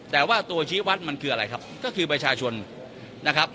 แต่ว่าตัวชี้วัดมันคืออะไรครับก็คือประชาชนนะครับ